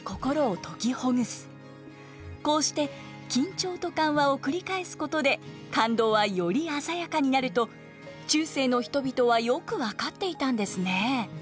こうして緊張と緩和を繰り返すことで感動はより鮮やかになると中世の人々はよく分かっていたんですね。